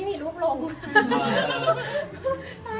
คุณค่ะ